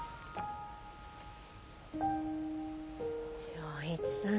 昇一さん。